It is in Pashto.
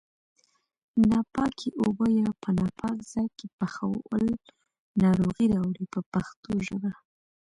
ناپاکې اوبه یا په ناپاک ځای کې پخول ناروغۍ راوړي په پښتو ژبه.